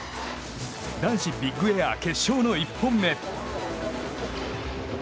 男子ビッグエア決勝の１本目。